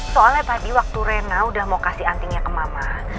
soalnya tadi waktu rena udah mau kasih antingnya ke mama